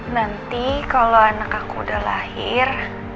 nanti kalau anak aku udah lahir